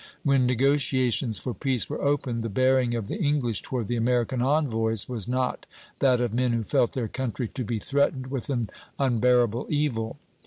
When negotiations for peace were opened, the bearing of the English toward the American envoys was not that of men who felt their country to be threatened with an unbearable evil.